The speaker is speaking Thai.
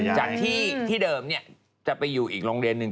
จากที่เดิมจะไปอยู่อีกโรงเรียนหนึ่ง